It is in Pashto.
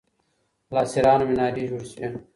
له اسیرانو منارې جوړې سوې